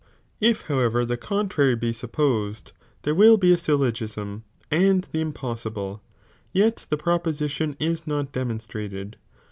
If how ever the contrary be supposed, there will be a syllogism, and the impossible, yet the proposition is not demonstrated.